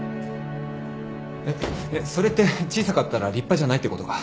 えっえっそれって小さかったら立派じゃないってことか？